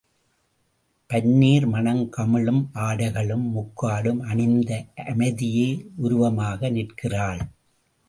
பன்னீர் மணம் கமழும் ஆடைகளும், முக்காடும் அணிந்து அமைதியே உருவமாக நிற்கிறாள்.